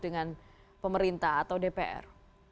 dengan pemerintah atau dpr